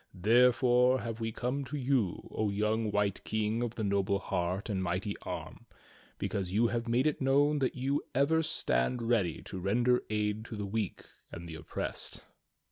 There fore have we come to you, O young White King of the noble heart and mighty arm, because you have made it known that you ever stand ready to render aid to the weak and the oppressed."